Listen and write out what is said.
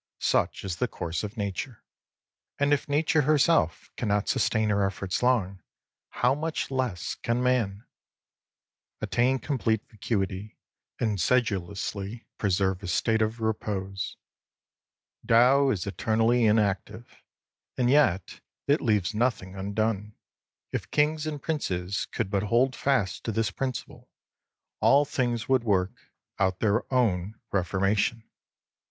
Such is the course of Nature. And if Nature herself cannot sustain her efforts long, how much less can man ! Attain complete vacuity, and sedulously preserve a state of repose. Tao is eternally inactive, and yet it leaves nothing undone. If kings and princes could but hold fast to this principle, all things would work 30 out their own relormation.